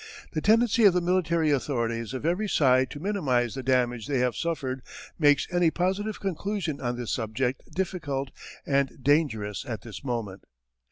The tendency of the military authorities of every side to minimize the damage they have suffered makes any positive conclusion on this subject difficult and dangerous at this moment.